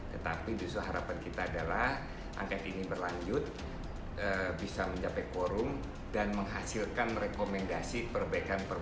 tetapi justru harapan kita adalah angket ini berlanjut bisa mencapai quorum dan menghasilkan rekomendasi perbaikan perbaikan